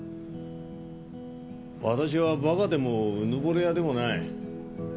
わたしはバカでもうぬぼれ屋でもない。